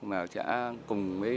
mà sẽ cùng mấy bác sĩ